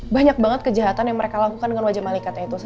banyak banget kejahatan yang mereka lakukan dengan wajah malikatnya itu